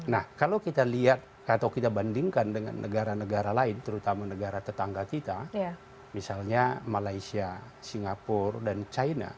nah kalau kita lihat atau kita bandingkan dengan negara negara lain terutama negara tetangga kita misalnya malaysia singapura dan china